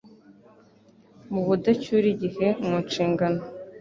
mu budacyurigihe mu nshingano